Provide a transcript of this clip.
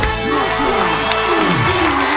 ผักบุ้งร้องได้นะ